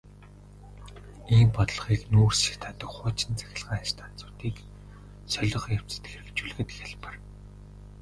Ийм бодлогыг нүүрс шатаадаг хуучин цахилгаан станцуудыг солих явцад хэрэгжүүлэхэд хялбар.